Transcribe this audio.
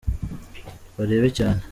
barebe cyane.